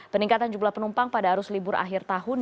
peningkatan jumlah penumpang pada arus libur akhir tahun